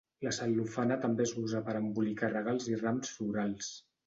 La cel·lofana també s'usa per a embolicar regals i rams florals.